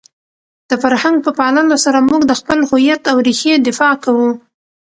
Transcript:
د فرهنګ په پاللو سره موږ د خپل هویت او رېښې دفاع کوو.